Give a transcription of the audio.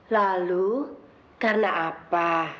lalu karena apa